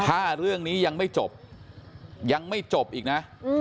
ถ้าเรื่องนี้ยังไม่จบยังไม่จบอีกนะ